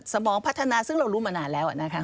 สมองพัฒนาซึ่งเรารู้มานานแล้วนะคะ